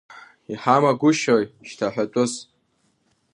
Иҳамагәышьои шьҭа ҳәатәыс…